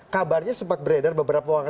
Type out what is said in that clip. kabarnya sempat beredar beberapa